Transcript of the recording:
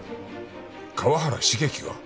河原茂樹が？